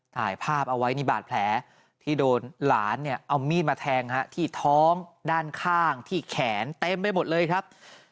ถ่ายภาพเอาไว้นี่บาดแผลที่โดนหลานเนี่ยเอามีดมาแทงที่ท้องด้านข้างที่แขนเต็มไปหมดเลยครับ